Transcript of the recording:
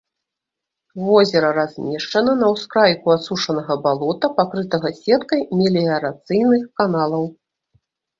Возера размешчана на ўскрайку асушанага балота, пакрытага сеткай меліярацыйных каналаў.